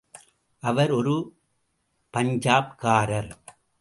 அவர் ஒரு பஞ்சாப்காரர்.